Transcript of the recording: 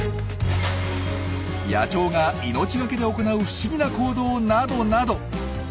野鳥が命がけで行う不思議な行動などなど。